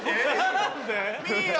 何で？